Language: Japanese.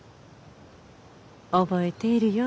覚えているよ。